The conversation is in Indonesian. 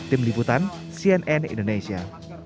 tim liputan cnn indonesia